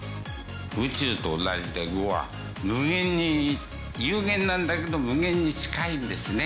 宇宙と同じで碁は無限に有限なんだけど無限に近いんですね。